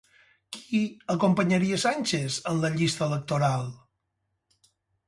Qui acompanyaria Sánchez en la llista electoral?